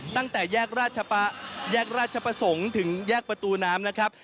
ตั้งแต่แยกราชแยกราชประสงค์ถึงแยกประตูน้ำนะครับ